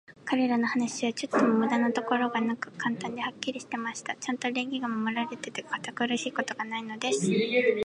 彼等の話は、ちょっとも無駄なところがなく、簡単で、はっきりしていました。ちゃんと礼儀は守られていて、堅苦しいところがないのです。